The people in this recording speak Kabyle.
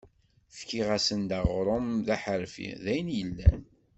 Fkiɣ-asen-d aɣrum d aḥerfi, d ayen i yellan.